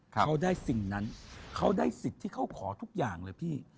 เขาได้สิ่งนั้นเขาได้สิทธิ์ที่เขาขอทุกอย่างเลยพี่